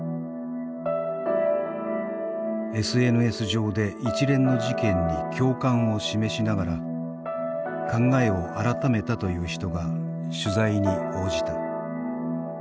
ＳＮＳ上で一連の事件に共感を示しながら考えを改めたという人が取材に応じた。